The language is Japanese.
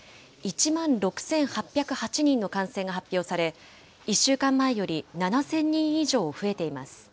１万６８０８人の感染が発表され、１週間前より７０００人以上増えています。